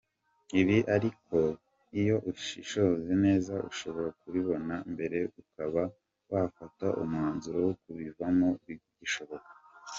Ibi ariko iyo ushishoza neza ushobora kubibona mbere ukaba wafata umwanzuro wo kubivamo bigishoboka.